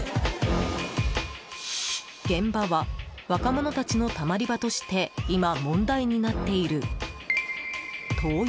現場は若者達のたまり場として今、問題になっているトー